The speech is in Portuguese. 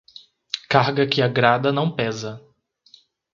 Carga que agrada não pesa.